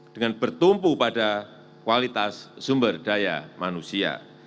dengan bertumpu pada kualitas sumber daya manusia